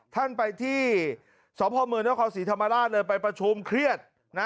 ท่านไปที่สพมนครศรีธรรมราชเลยไปประชุมเครียดนะ